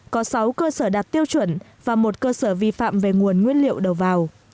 có sáu cơ sở đạt tiêu chuẩn và một cơ sở vi phạm về nguồn nguyên liệu đầu vào